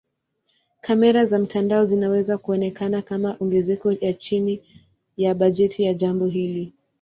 Kamera za mtandao zinaweza kuonekana kama ongezeko ya chini ya bajeti ya jambo hili.